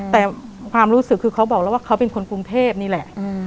แต่ความรู้สึกคือเขาบอกแล้วว่าเขาเป็นคนกรุงเทพนี่แหละ